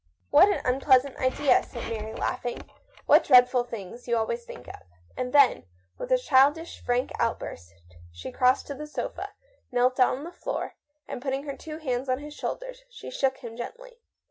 " "What an unpleasant idea," said Mary, laughing ;" what dreadful things you always think of." And then, with a pretty, frank outburst, she crossed to the sofa, knelt down on the floor, and, putting her two hands on his shoulders, she shook him gently.